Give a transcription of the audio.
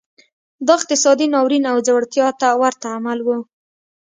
دا اقتصادي ناورین او ځوړتیا ته ورته عمل و.